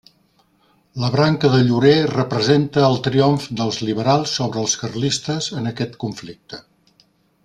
La branca de llorer representa el triomf dels liberals sobre els carlistes en aquest conflicte.